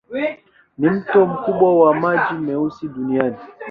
Ni mto mkubwa wa maji meusi duniani.